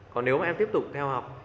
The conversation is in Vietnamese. còn nếu mà em tiếp tục theo học